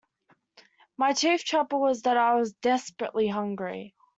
My chief trouble was that I was desperately hungry.